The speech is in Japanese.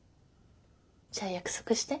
じゃあ約束して。